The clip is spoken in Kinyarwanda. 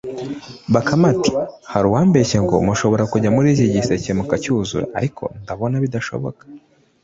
” Bakame iti “Hari uwambeshye ngo mushobora kujya muri iki giseke mukacyuzura; ariko jye ndabona bidashoboka